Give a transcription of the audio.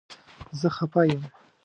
زه خپه یم